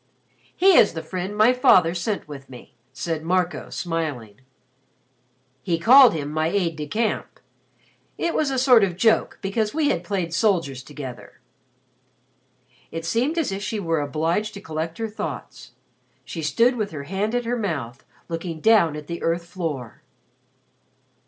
"He is the friend my father sent with me," said Marco smiling. "He called him my aide de camp. It was a sort of joke because we had played soldiers together." It seemed as if she were obliged to collect her thoughts. She stood with her hand at her mouth, looking down at the earth floor.